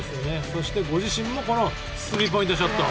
そしてご自身もスリーポイント。